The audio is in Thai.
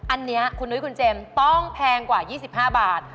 อันนี้คุณนุ้ยคุณเจมส์ต้องแพงกว่า๒๕บาท